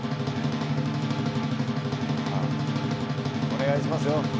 お願いしますよ。